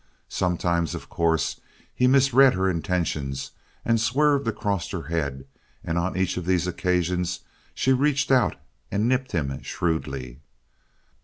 Sometimes, of course, he misread her intentions and swerved across her head and on each of these occasions she reached out and nipped him shrewdly.